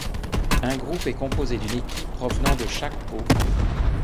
Un groupe est composé d'une équipe provenant de chaque pot.